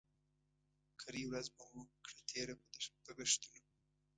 کرۍ ورځ به مو کړه تېره په ګښتونو